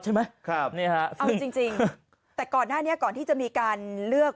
ใช่ไหมครับนี่ฮะเอาจริงจริงแต่ก่อนหน้านี้ก่อนที่จะมีการเลือก